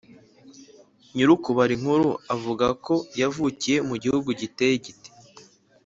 Nyir’ukubara inkuru avuga ko yavukiye mu gihugu giteye gite?